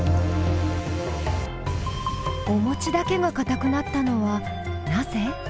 おもちだけがかたくなったのはなぜ？